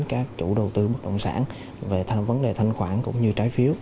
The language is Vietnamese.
các chủ đầu tư bất động sản về thành vấn đề thanh khoản cũng như trái phiếu